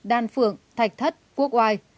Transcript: an phượng thạch thất quốc oai